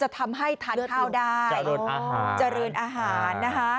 ทำให้ทานข้าวได้เจริญอาหารนะคะ